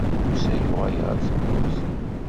Musa yuɣal ɣer tmurt.